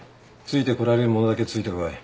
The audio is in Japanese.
ついてこられる者だけついてこい。